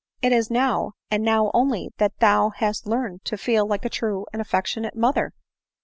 It is now, and now only that thou hast learned to feel like a true and affectionate mother